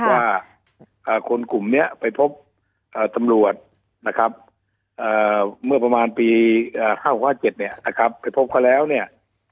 ว่าคนกลุ่มนี้ไปพบตำรวจนะครับเมื่อประมาณปี๕๖๕๗เนี่ยนะครับไปพบเขาแล้วเนี่ย